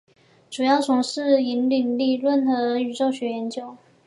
主要从事引力理论和宇宙学研究。